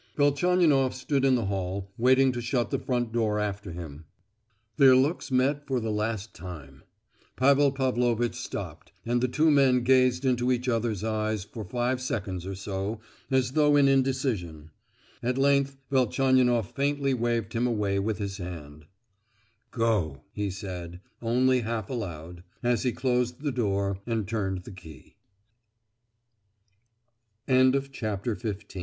Velchaninoff stood in the hall, waiting to shut the front door after him. Their looks met for the last time. Pavel Pavlovitch stopped, and the two men gazed into each others eyes for five seconds or so, as though in indecision. At length Velchaninoff faintly waved him away with his hand. "Go!" he said, only half aloud, as he closed the door and turned the key.